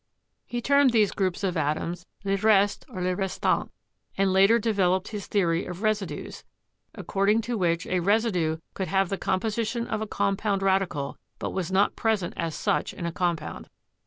He termed these groups of atoms "le reste" or "le restant," and later developed his theory of residues, according to which a residue could have the composition of a compound radical but was not present as such in a compound.